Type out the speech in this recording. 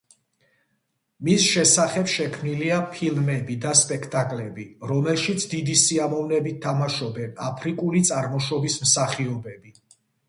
მის შესახებ შექმნილია ფილმები და სპექტაკლები, რომელშიც დიდი სიამოვნებით თამაშობენ აფრიკული წარმოშობის მსახიობები.